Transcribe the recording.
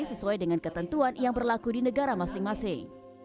sesuai dengan ketentuan yang berlaku di negara masing masing